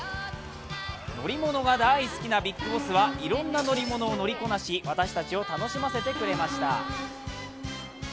乗り物が大好きなＢＩＧＢＯＳＳはいろんな乗り物を乗りこなし私たちを楽しませてくれました。